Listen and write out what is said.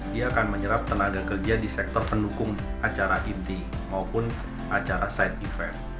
dia akan menyerap tenaga kerja di sektor pendukung acara inti maupun acara side event